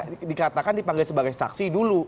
dikatakan dipanggil sebagai saksi dulu